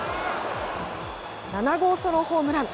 ７号ソロホームラン。